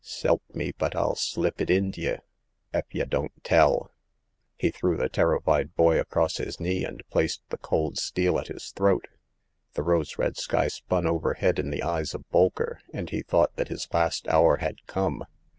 S elp me but FU slip it int' ye, ef y' don't tell !" He threw the terrified boy across his knee, and placed the cold steel at his throat. The rose red sky spun overhead in the eyes of Bolker, and he thought that his last hour had come.